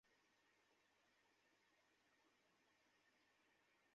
যদি থাকে, ওদের বলবে হিউমিডোরে রাখতে, বলবে তো?